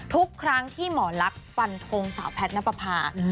ทุกครั้งที่หมอลักษณ์ฟันทงสาวแพทย์นับประพา